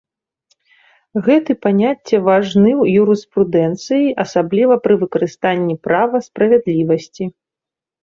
Гэты паняцце важны ў юрыспрудэнцыі, асабліва пры выкарыстанні права справядлівасці.